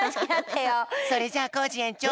それじゃあコージえんちょう